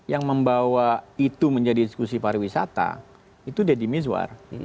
yang membawa itu menjadi diskusi pariwisata itu deddy mizwar